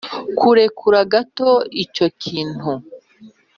kurekura gato icyo kintu